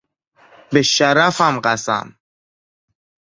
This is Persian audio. به شرفم قسم!